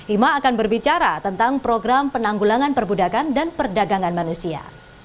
ima akan berbicara tentang program penanggulangan perbudakan dan perdagangan manusia